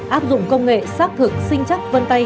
áp dụng công nghệ xác thực sinh chắc vân tay